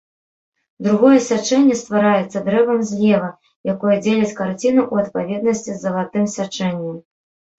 Другое сячэнне ствараецца дрэвам злева, якое дзеліць карціну ў адпаведнасці з залатым сячэннем.